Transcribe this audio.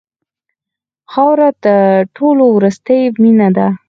خاوره د ټولو وروستۍ مینه ده.